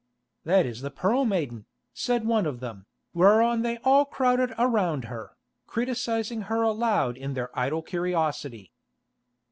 "That is the Pearl Maiden," said one of them, whereon they all crowded around her, criticising her aloud in their idle curiosity.